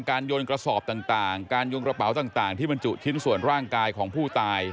โยนกระสอบต่างการยงกระเป๋าต่างที่บรรจุชิ้นส่วนร่างกายของผู้ตาย